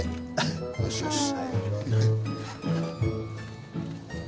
よしよし。